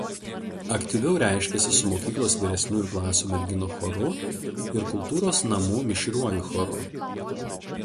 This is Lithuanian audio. Aktyviau reiškėsi su mokyklos vyresniųjų klasių merginų choru ir kultūros namų mišriuoju choru.